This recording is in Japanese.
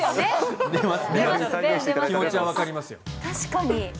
確かに。